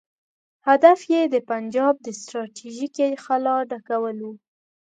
هدف یې د پنجاب د ستراتیژیکې خلا ډکول وو.